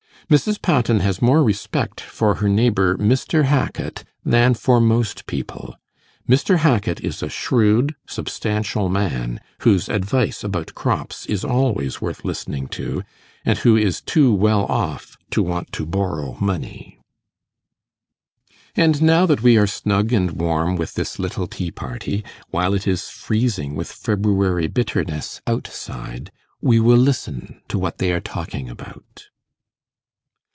Mrs. Patten has more respect for her neighbour Mr. Hackit than for most people. Mr. Hackit is a shrewd substantial man, whose advice about crops is always worth listening to, and who is too well off to want to borrow money. And now that we are snug and warm with this little tea party, while it is freezing with February bitterness outside, we will listen to what they are talking about.